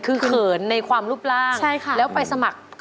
ขึ้นในความรูปร่างแล้วไปสมัครใช่ค่ะ